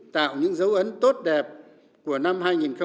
tạo những dấu ấn tốt đẹp của năm hai nghìn một mươi bảy